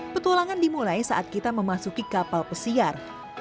petualangan dimulai saat kita memasuki kapal pesiar